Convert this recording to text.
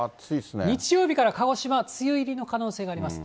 日曜日から鹿児島、梅雨入りの可能性があります。